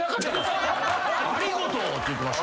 「ありごとう」って言うてました。